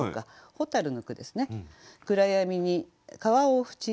「蛍」の句ですね。